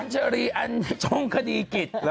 เชอรีอันช่องคดีกิจ